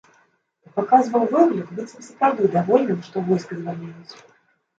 А паказваў выгляд, быццам сапраўды давольны, што з войска звальняюць.